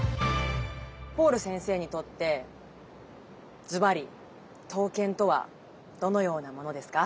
ポール先生にとってずばり刀剣とはどのようなものですか？